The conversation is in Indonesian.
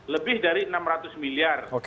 lebih dari enam ratus miliar